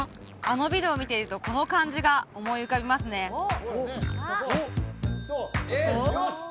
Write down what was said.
あのビルを見ているとこの漢字が思い浮かびますねおっよし！